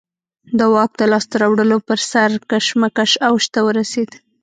د واک د لاسته راوړلو پر سر کشمکش اوج ته ورسېد.